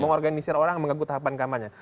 mengorganisir orang yang mengagut tahapan kampanye